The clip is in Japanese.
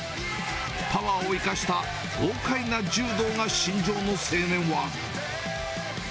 パワーを生かした豪快な柔道が身上の青年は。